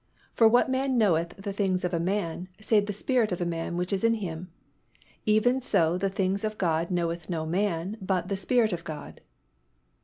For what man knoweth the things of a man, save the spirit of man which is in him? _Even so the things of God knoweth no man, but the Spirit of God.